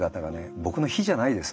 僕の比じゃないです。